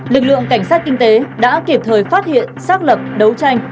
lực lượng cảnh sát kinh tế đã kịp thời phát hiện xác lập đấu tranh